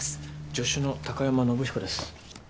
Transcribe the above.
助手の貴山伸彦です。